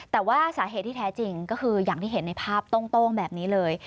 แต่ว่าสาเหตุที่แท้จริงก็คืออย่างที่เห็นในภาพโต้งแบบนี้เลย